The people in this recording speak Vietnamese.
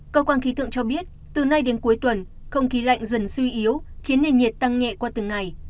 cơ quan khí tượng cho biết từ nay đến cuối tuần không khí lạnh dần suy yếu khiến nền nhiệt tăng nhẹ qua từng ngày